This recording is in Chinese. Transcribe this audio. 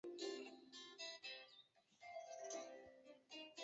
目前在台湾屏东县九如乡的香药草植物园区内有培植这种植物。